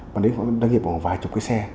và đến với các doanh nghiệp có vài chục cái xe